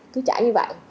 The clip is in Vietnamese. cứ trả như vậy